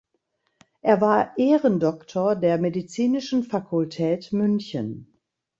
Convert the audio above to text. Er war Ehrendoktor der Medizinischen Fakultät München.